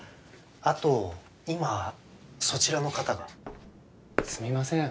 あと今そちらの方がすみません